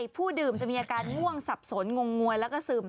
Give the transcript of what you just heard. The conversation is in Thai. ผู้ดื่มจะมีอาการง่วงสับสนงงวยแล้วก็ซึม